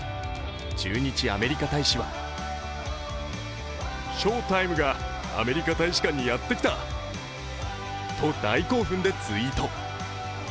駐日アメリカ大使はと大興奮でツイート。